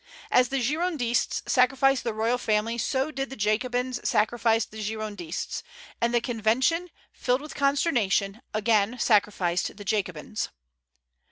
As the Girondists sacrificed the royal family, so did the Jacobins sacrifice the Girondists; and the Convention, filled with consternation, again sacrificed the Jacobins.